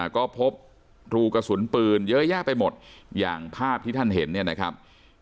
ก็พบรูกระสุนปืนเยอะแยะไปหมดอย่างภาพที่ท่านเห็นเนี่ยนะครับ